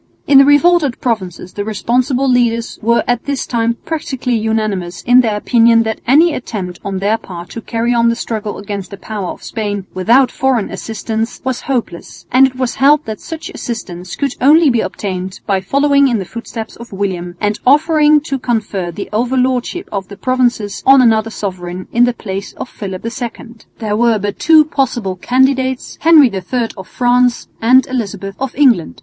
In the revolted provinces the responsible leaders were at this time practically unanimous in their opinion that any attempt on their part to carry on the struggle against the power of Spain without foreign assistance was hopeless; and it was held that such assistance could only be obtained by following in the footsteps of William and offering to confer the overlordship of the provinces on another sovereign in the place of Philip II. There were but two possible candidates, Henry III of France and Elizabeth of England.